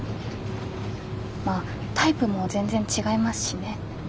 まあタイプも全然違いますしね。